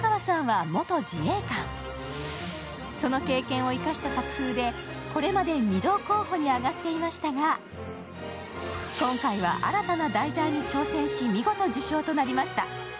経験を生かした作風でこれまで２度候補に上がっていましたが今回は新たな題材に挑戦し、見事受賞となりました。